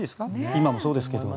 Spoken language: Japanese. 今もそうですけど。